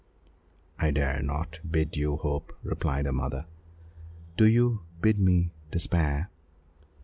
"I dare not bid you hope," replied her mother. "Do you bid me despair?"